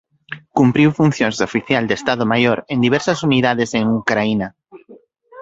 Cumpriu funcións de oficial de Estado Maior en diversas unidades en Ucraína.